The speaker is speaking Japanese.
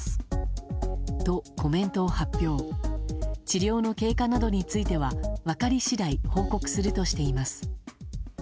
治療の経過などについては分かり次第報告するとしています。